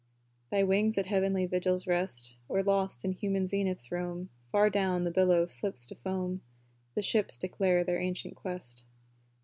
Thy wings at heavenly vigils rest, Or lost in human zeniths roam Far down, the billow slips to foam; The ships declare their ancient quest.